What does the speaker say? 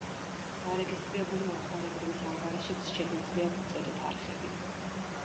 დარეგისტრირებული მომხმარებლების ანგარიშებს შეგვიძლია ვუწოდოთ „არხები“.